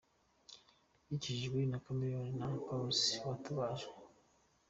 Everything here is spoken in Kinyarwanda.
Bakijijwe na Chameleone na Pallaso batabajwe.